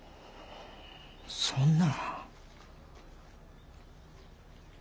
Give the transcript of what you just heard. そんな。